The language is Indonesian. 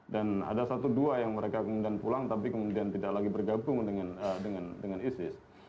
dan ada satu dua yang mereka kemudian pulang tapi kemudian tidak lagi bergabung dengan isis